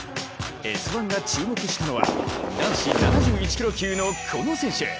「Ｓ☆１」が注目したのは男子７１キロ級のこの選手。